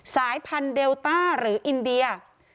สายพันธุ์เดลต้าหรืออินเดีย